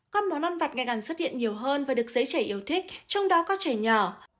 các món ăn vặt ngày càng xuất hiện nhiều hơn và được giới trẻ yêu thích trong đó có trẻ nhỏ